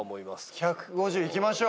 １５０いきましょう。